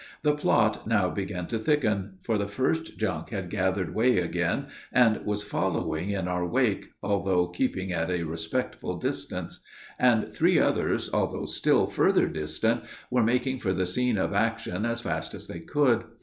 The plot now began to thicken; for the first junk had gathered way again, and was following in our wake, although keeping at a respectful distance; and three others, although still further distant, were making for the scene of action, as fast as they could.